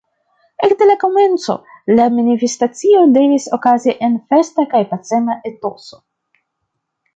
Ekde la komenco, la manifestacio devis okazi en festa kaj pacema etoso.